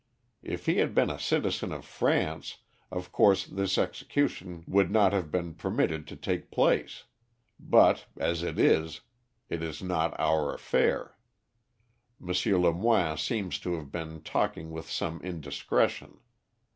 If he had been a citizen of France, of course this execution would not have been permitted to take place; but, as it is, it is not our affair. M. Lemoine seems to have been talking with some indiscretion.